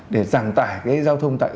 để giàn tải giao thông